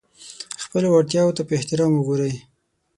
خپلو وړتیاوو ته په احترام وګورئ.